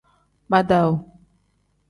Badawu.